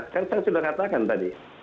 kan saya sudah katakan tadi